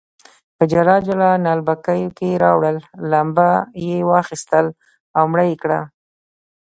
په جلا جلا نعلبکیو کې راوړل، لمبه یې واخیستل او مړه یې کړل.